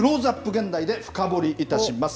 現代で深掘りいたします。